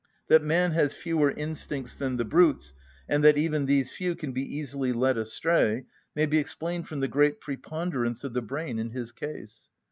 That man has fewer instincts than the brutes and that even these few can be easily led astray, may be explained from the great preponderance of the brain in his case.